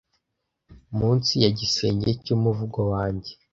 munsi ya gisenge cyumuvugo wanjye